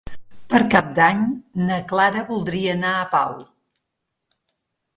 Per Cap d'Any na Clara voldria anar a Pau.